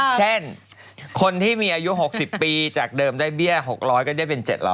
เช่นคนที่มีอายุ๖๐ปีจากเดิมได้เบี้ย๖๐๐ก็ได้เป็น๗๐๐